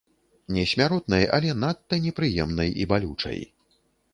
Не смяротнай, але надта непрыемнай і балючай.